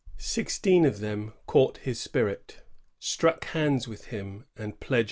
Sixteen of them caught his spirit, struck hands with him, and pledged 1600.